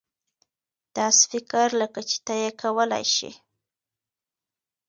داسې فکر لکه چې ته یې کولای شې.